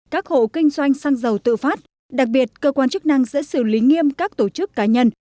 các hộ kinh doanh xăng dầu tự phát đặc biệt cơ quan chức năng sẽ xử lý nghiêm các tổ chức cá nhân